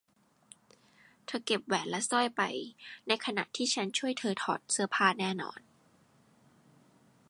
เธอเก็บแหวนและสร้อยไปในขณะที่ฉันช่วยเธอถอดเสื้อผ้าแน่นอน